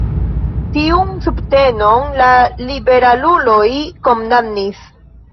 Tiun subtenon la liberaluloj kondamnis.